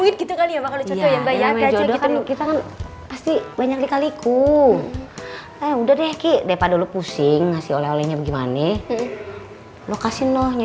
tapi banyak dikali kali ku udah deh deh padahal pusing kasih oleh olehnya gimana lo kasih nohnya